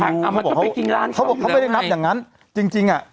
มันก็ไม่รู้เขาบอกเขาไม่ได้นับอย่างนั้นจริงจริงอ่ะ